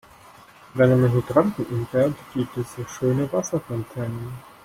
Wenn man Hydranten umfährt, gibt es so schöne Wasserfontänen.